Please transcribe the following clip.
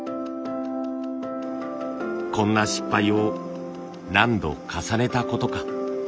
こんな失敗を何度重ねたことか。